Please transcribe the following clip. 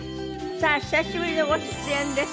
さあ久しぶりのご出演です。